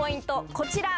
こちら。